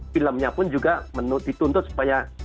filmnya pun juga dituntut supaya